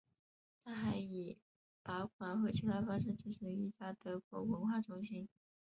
他还以拨款和其他方式支持一家德国文化中心。